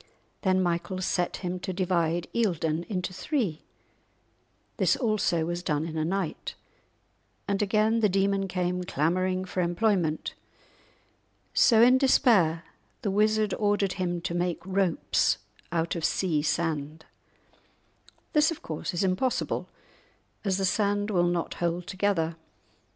Then Michael set him to divide Eildon into three; this also was done in a night, and again the demon came clamouring for employment. So in despair the wizard ordered him to make ropes out of sea sand! This, of course, is impossible, as the sand will not hold together.